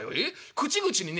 口々にね